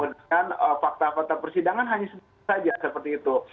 dan fakta fakta persidangan hanya seperti itu